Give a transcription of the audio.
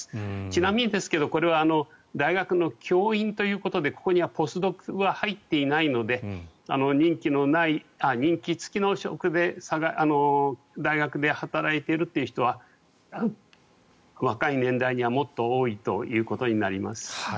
ちなみにですがこれは大学の教員ということでここにはポスドクは入っていないので任期付きの職で大学で働いているという人は若い年代にはもっと多いということになります。